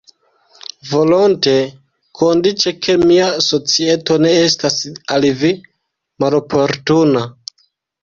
Volonte, kondiĉe ke mia societo ne estas al vi maloportuna.